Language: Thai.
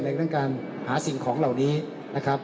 ทั้งการหาสิ่งของเหล่านี้นะครับ